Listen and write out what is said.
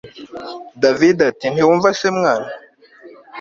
david ati ntiwumva se mwana